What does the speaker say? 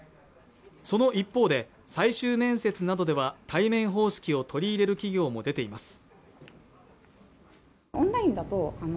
その一方で最終面接などでは対面方式を取り入れる企業も出ています